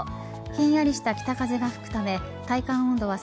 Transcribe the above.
ひんやりした北風が吹くため体感温度は